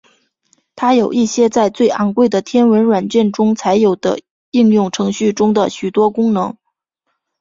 它有一些在最昂贵的天文软体中才有的应用程式中的许多功能。